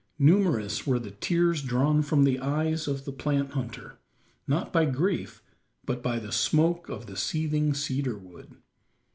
Numerous were the tears drawn from the eyes of the plant hunter not by grief, but by the smoke of the seething cedar wood.